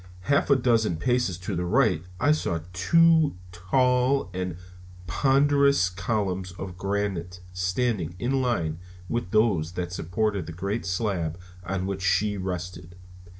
Half a dozen paces to the right I saw two tall and ponderous columns of granite standing in line with those that supported the great slab on which she rested.